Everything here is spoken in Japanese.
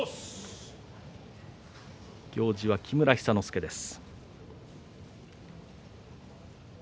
行司は木村寿之介です。